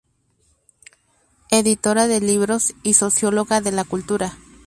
Editora de libros y socióloga de la cultura.